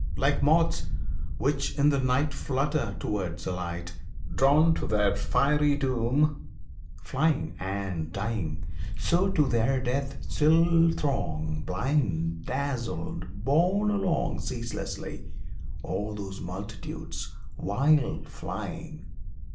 Like moths which in the night Flutter towards a light, Drawn to their fiery doom, flying and dying, So to their death still throng, Blind, dazzled, borne along Ceaselessly, all those multitudes, wild flying!